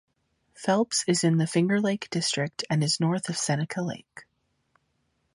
Phelps is in the Finger Lake District and is north of Seneca Lake.